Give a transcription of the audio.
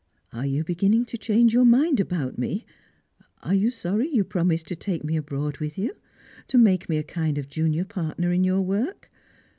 " Are you beginning to change your miud about me ? Are you sorry you promised to take me abroad with you, to make me a kind of junior partner in your work